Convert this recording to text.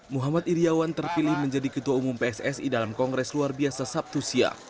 muhammad iryawan terpilih menjadi ketua umum pssi dalam kongres luar biasa sabtu siang